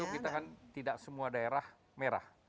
ya tentu kita kan tidak semua daerah merah